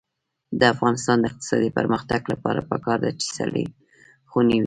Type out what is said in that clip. د افغانستان د اقتصادي پرمختګ لپاره پکار ده چې سړې خونې وي.